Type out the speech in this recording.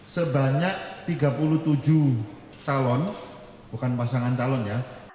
sebanyak tiga puluh tujuh calon bukan pasangan calon ya